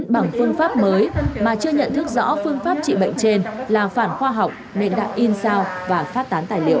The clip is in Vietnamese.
bằng phương pháp mới mà chưa nhận thức rõ phương pháp trị bệnh trên là phản khoa học nên đã in sao và phát tán tài liệu